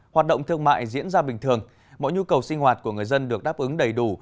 hoạt động thương mại diễn ra bình thường mọi nhu cầu sinh hoạt của người dân được đáp ứng đầy đủ